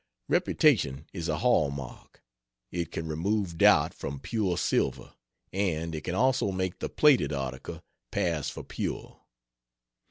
Reputation is a hall mark: it can remove doubt from pure silver, and it can also make the plated article pass for pure.